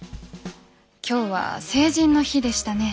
今日は成人の日でしたね。